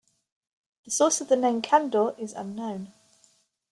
The source of the name "Candor" is unknown.